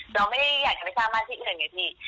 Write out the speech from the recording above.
เราไม่ได้อยากจะไปสร้างบ้านที่อื่นไงพี่